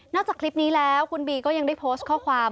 จากคลิปนี้แล้วคุณบีก็ยังได้โพสต์ข้อความ